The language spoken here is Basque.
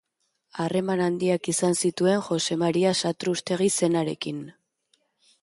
Harreman handiak izan zituen Jose Maria Satrustegi zenarekin.